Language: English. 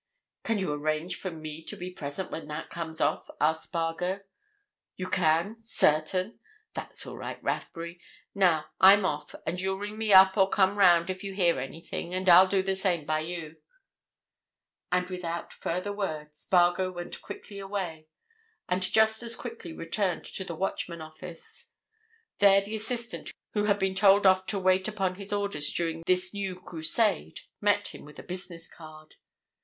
"Can you arrange for me to be present when that comes off?" asked Spargo. "You can—certain? That's all right, Rathbury. Now I'm off, and you'll ring me up or come round if you hear anything, and I'll do the same by you." And without further word, Spargo went quickly away, and just as quickly returned to the Watchman office. There the assistant who had been told off to wait upon his orders during this new crusade met him with a business card.